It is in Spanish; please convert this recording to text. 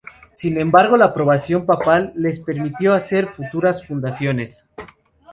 Sin embargo, la aprobación papal les permitió hacer futuras fundaciones.